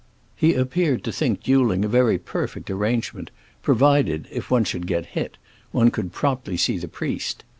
He appeared to think dueling a very perfect arrangement, provided, if one should get hit, one could promptly see the priest.